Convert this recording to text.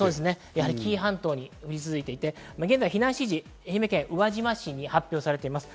やはり紀伊半島に降り続いていて、現在、避難指示、愛媛県宇和島市に出ています。